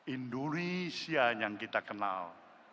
indonesia yang kita kenal